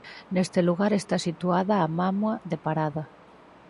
Neste lugar está situada a Mámoa de Parada.